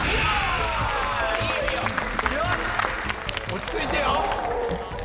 落ち着いてよ。